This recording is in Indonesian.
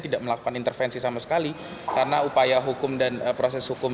tidak melakukan intervensi sama sekali karena upaya hukum dan proses hukum